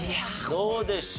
どうでしょう？